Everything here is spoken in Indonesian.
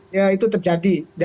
ya itu terjadi